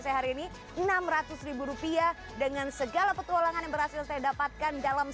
saya hari ini enam ratus rupiah dengan segala petualangan yang berhasil saya dapatkan dalam